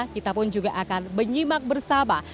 kita pun juga akan menyimak bersama